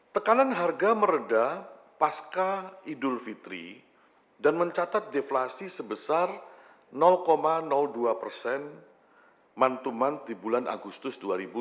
tekanan harga meredah pasca idul fitri dan mencatat deflasi sebesar dua mantuman di bulan agustus dua ribu enam belas